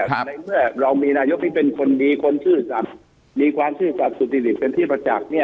ในเมื่อเรามีนายุทธที่เป็นคนมีความชื่อสรรพมีความชื่อสรรพสุทธิฤทธิ์เป็นที่ประจักรเนี่ย